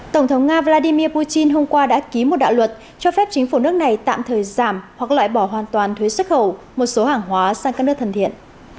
tổng thống nga vladimir putin hôm qua đã ký một đạo luật cho phép chính phủ nước này tạm thời giảm hoặc loại bỏ hoàn toàn thuế xuất khẩu một số hàng hóa sang các nước thần thiện